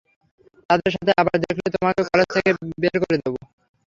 তাদের সাথে আবার দেখলে, তোমাকে কলেজ থেকে বের করে দেব।